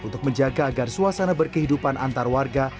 untuk menjaga agar suasana berkehidupan antar warga